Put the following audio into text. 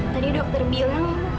tadi dokter bilang